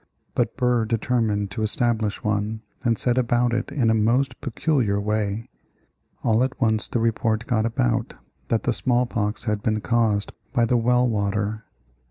But Burr determined to establish one, and set about it in a most peculiar way. All at once the report got about that the small pox had been caused by the well water.